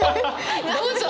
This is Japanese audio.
どうぞ！